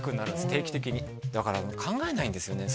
定期的にだから考えないんですよね